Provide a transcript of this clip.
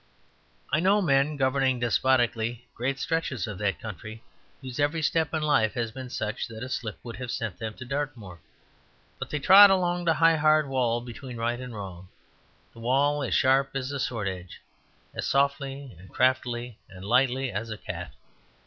I know men governing despotically great stretches of that country, whose every step in life has been such that a slip would have sent them to Dartmoor; but they trod along the high hard wall between right and wrong, the wall as sharp as a swordedge, as softly and craftily and lightly as a cat.